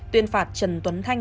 tuyên phạt trần tuấn thanh